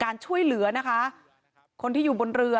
การช่วยเหลือคนที่อยู่บนเรือ